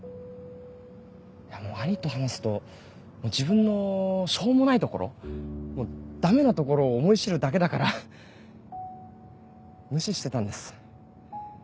兄と話すと自分のしょうもないところダメなところを思い知るだけだから無視してたんです。